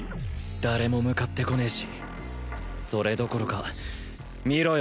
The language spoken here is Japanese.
誰も向かってこねえしそれどころか見ろよ